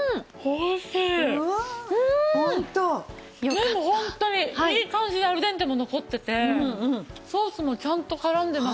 麺もホントにいい感じでアルデンテも残っててソースもちゃんと絡んでますし。